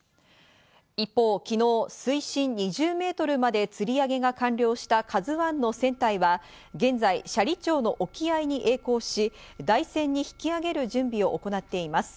一方、昨日水深２０メートルまでつり上げが完了した「ＫＡＺＵ１」の船体は現在、斜里町の沖合にえい航し、台船に引き揚げる準備を行っています。